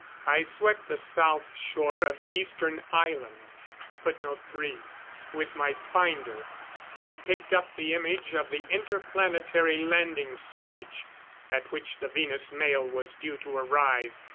I swept the south shore of Eastern Island with my finder, and picked up the image of the inter planetary landing stage, at which the Venus mail was due to arrive.